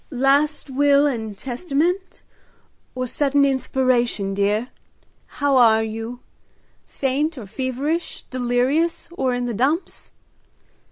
"Last will and testament, or sudden inspiration, dear? How are you? faint or feverish, delirious or in the dumps!